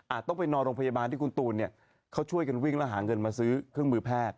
ต้องไปนอนโรงพยาบาลที่คุณตูนเขาช่วยกันวิ่งแล้วหาเงินมาซื้อเครื่องมือแพทย์